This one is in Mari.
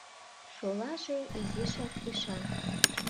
Шолаже изишак иша.